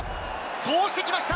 通してきました。